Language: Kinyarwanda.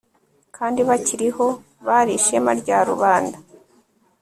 kandi bakiriho bari ishema rya rubanda